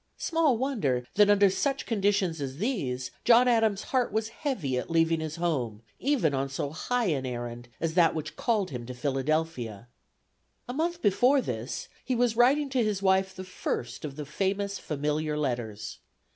Small wonder that under such conditions as these, John Adams' heart was heavy at leaving his home, even on so high an errand as that which called him to Philadelphia. A month before this, he was writing to his wife the first of the famous Familiar Letters.